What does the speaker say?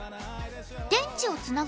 電池をつなぐ